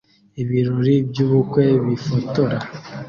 Ibirori byubukwe bifotora